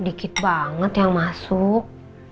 dikit banget yang masuk